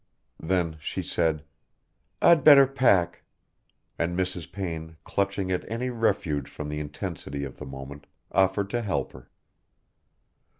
Then she said, "I'd better pack," and Mrs. Payne clutching at any refuge from the intensity of the moment offered to help her.